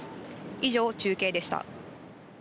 以上、中継でした。